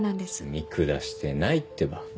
見下してないってば。